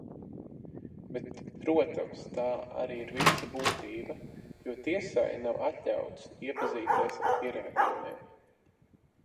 Bet, protams, tā arī ir visa būtība, jo tiesai nav atļauts iepazīties ar pierādījumiem.